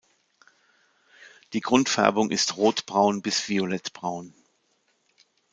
Die Grundfärbung ist rotbraun bis violettbraun.